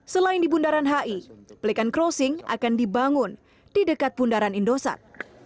selain di bundaran hi pelikan crossing akan dibangun di dekat bundaran indosat